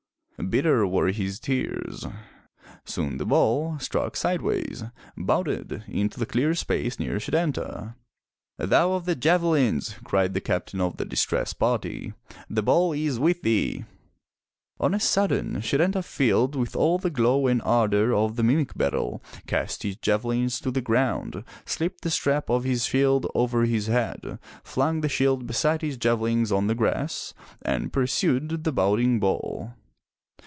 Bitter were his tears. Soon the ball, struck sideways, bounded into a clear space near Setanta. "Thou of the javelins!'* cried the Captain of the distressed party, "the ball is with thee!" On a sudden Setanta, filled with all the glow and ardor of the mimic battle, cast his javelins to the ground, slipped the strap of his shield over his head, flung the shield beside his javelins on the grass, and pursued the bounding ball.